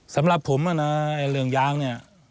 สำหรับผมนะเรื่องยางเนี่ย